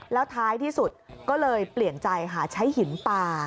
แล้วท้ายที่สุดก็เลยเปลี่ยนใจหาใช้หินปลา